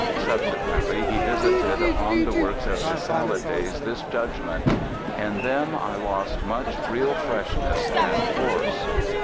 Subsequently he visited upon the works of his salad days this judgment: "In them I lost much real freshness and force."